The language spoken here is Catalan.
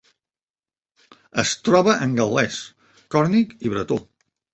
Es troba en gal·lès, còrnic i bretó.